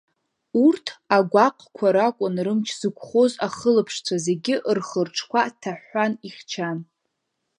Урҭ агәаҟқәа ракәын рымч зықәхоз ахылаԥшцәа зегьы рхы-рҿқәа ҭаҳәҳәан, ихьчан…